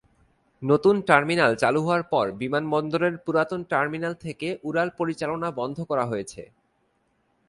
নতুন টার্মিনাল চালু হওয়ার পর বিমানবন্দরের পুরাতন টার্মিনাল থেকে উড়ান পরিচালনা বন্ধ করা হয়েছে।